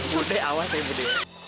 budi awas ya budi